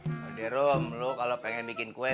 ayo rom lo kalau pengen bikin kue